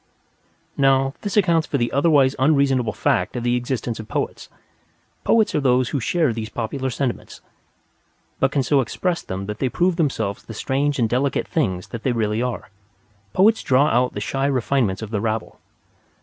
Now, this accounts for the otherwise unreasonable fact of the existence of Poets. Poets are those who share these popular sentiments, but can so express them that they prove themselves the strange and delicate things that they really are. Poets draw out the shy refinement of the rabble.